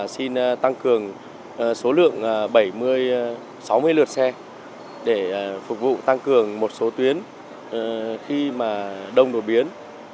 xin tăng cường số lượng sáu mươi lượt xe để phục vụ tăng cường một số tuyến khi mà đông đổ biến